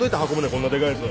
こんなでかいやつ。